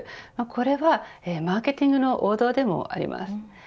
これはマーケティングの王道でもあります。